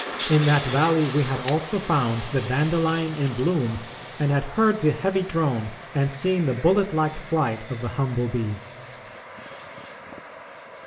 In that valley we had also found the dandelion in bloom and had heard the heavy drone and seen the bullet like flight of the humble bee."